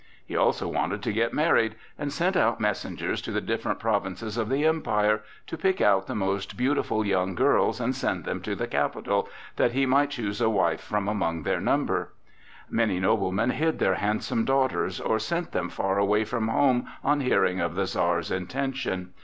He also wanted to get married, and sent out messengers to the different provinces of the Empire to pick out the most beautiful young girls and send them to the capital, that he might choose a wife from among their number. Many noblemen hid their handsome daughters, or sent them far away from home on hearing of the Czar's intention.